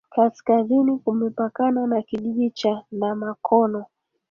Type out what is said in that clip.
Kaskazini kimepakana na Kijiji cha Namakono